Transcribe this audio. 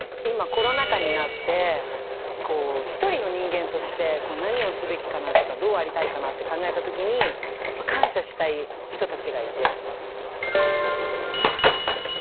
今コロナ禍になって一人の人間として何をすべきかなとかどうありたいかなって考えた時に感謝したい人たちがいて。